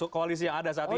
koalisi yang ada saat ini